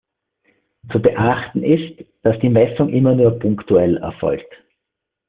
Zu beachten ist, dass die Messung immer nur punktuell erfolgt.